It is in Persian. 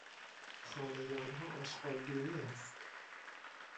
خانهی آنها آشغالدونی است.